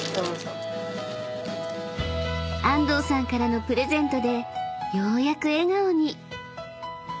［安藤さんからのプレゼントでようやく笑顔に］